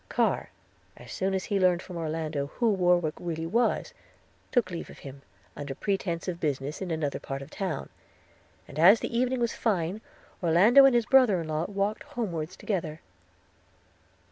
Carr, as soon as he learned from Orlando who Warwick really was, took leave of him, under pretence of business in another part of the town; and as the evening was fine, Orlando and his brother in law walked homewards together.